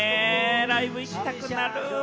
ライブ行きたくなる。